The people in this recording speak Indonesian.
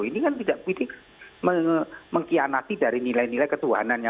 ini kan tidak pilih mengkianati dari nilai nilai ketuanannya